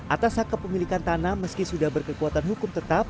atas hak kepemilikan tanah meski sudah berkekuatan hukum tetap